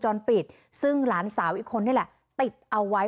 จรปิดซึ่งหลานสาวอีกคนนี่แหละติดเอาไว้